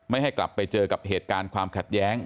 ให้กลับไปเจอกับเหตุการณ์ความขัดแย้ง